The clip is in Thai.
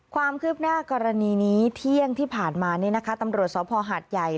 ความคืบหน้ากรณีนี้เที่ยงที่ผ่านมานี่นะคะตำรวจสภหาดใหญ่